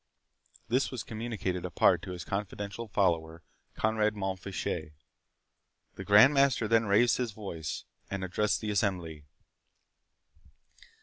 '" This was communicated apart to his confidential follower, Conrade Mont Fitchet. The Grand Master then raised his voice, and addressed the assembly.